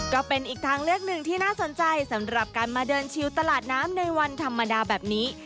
ก็เป็นอีกทางเลือกหนึ่งที่น่าสนใจสำหรับการมาเดินชิวตลาดน้ำในวันธรรมดาแบบนี้